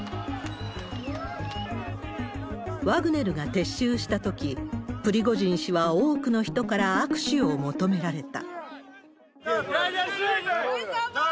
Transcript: ワグネルが撤収したとき、プリゴジン氏は多くの人から握手を求められた。